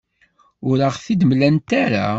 Ur aɣ-t-id-mlant ara.